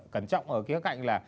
cẩn trọng ở cái cạnh là